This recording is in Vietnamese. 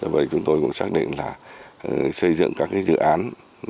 vậy chúng tôi cũng xác định là xây dựng các cái dự án